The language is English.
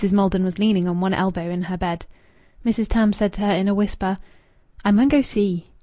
Maldon was leaning on one elbow in her bed. Mrs. Tams said to her in a whisper "I mun go see."